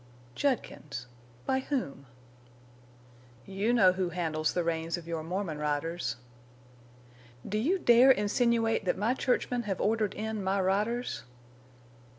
"Judkins!... By whom?" "You know who handles the reins of your Mormon riders." "Do you dare insinuate that my churchmen have ordered in my riders?"